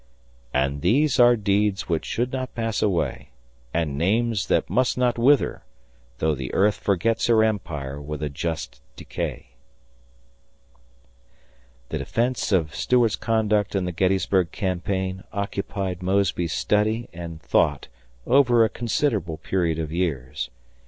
"And these are deeds which should not pass away And names that must not wither, though the earth Forgets her empire with a just decay." [The defence of Stuart's conduct in the Gettysburg campaign occupied Mosby's study and thought over a considerable period of years.